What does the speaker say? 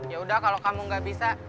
ya udah kalau kamu gak bisa